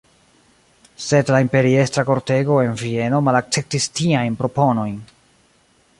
Sed la imperiestra kortego en Vieno malakceptis tiajn proponojn.